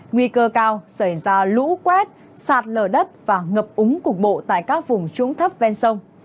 nguy cơ cao xảy ra lũ quét sạt lở đất và ngập úng cục bộ tại các vùng trũng thấp ven sông